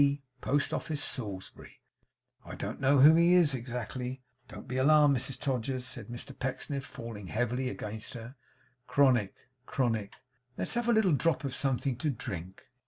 Post Office, Salisbury. I don't know who he is exactly. Don't be alarmed, Mrs Todgers,' said Mr Pecksniff, falling heavily against her; 'Chronic chronic! Let's have a little drop of something to drink.